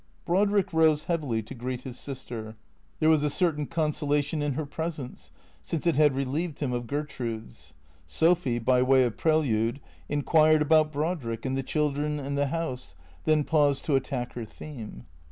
Brodrick rose heavily to greet his sister. There was a certain consolation in her presence, since it had relieved him of Ger trude's. Sophy, by way of prelude, inquired about Brodrick and the children and the house, then paused to attack her theme.